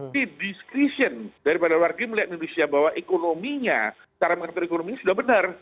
tapi discretion daripada luar negeri melihat indonesia bahwa ekonominya cara mengatur ekonominya sudah benar